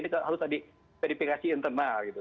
ini harus tadi verifikasi internal gitu